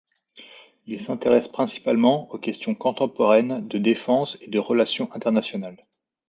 Il s'intéresse principalement aux questions contemporaines de défense et de relations internationales.